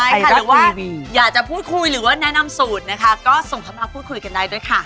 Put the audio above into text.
ใครรู้ว่าอยากจะพูดคุยบังคับนะคะก็ส่งเขามาพูดคุยกันได้ด้วยค่ะ